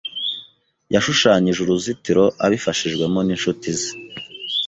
yashushanyije uruzitiro abifashijwemo n'inshuti ze.